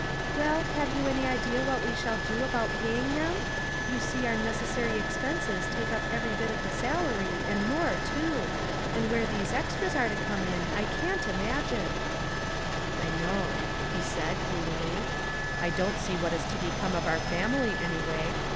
*' Weil, have you any idea what we shall do about paying them ? You see our necessary ex penses take up every bit of the salary, and more, too ; and where these extras are to come in, { oau't imaoine." Debts and Doubts* 111 "I know," he said, gloomily. "1 don t see what is to become of our family, anyway.